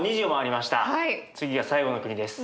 次が最後の国です。